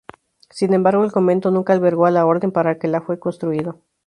Sin embargo, el convento nunca albergó a la orden para la que fue construido.